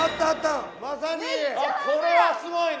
これはすごいね！